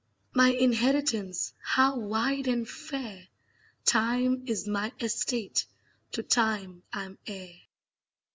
My inheritance, how wide and fair! Time is my estate: to time I'm heir.